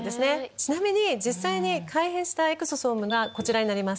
ちなみに実際に改変したエクソソームがこちらになります。